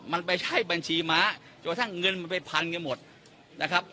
มันไปใช้บัญชีม้าจนกระทั่งเงินมันไปพันกันหมดนะครับ